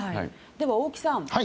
では大木さん